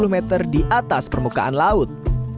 satu ratus dua puluh meter di atas permukaan laut